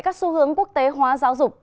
các xu hướng quốc tế hóa giáo dục